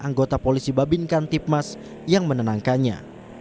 anggota polisi babinkan tipmas yang menenangkannya